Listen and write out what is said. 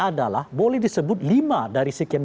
adalah boleh disebut lima dari sekian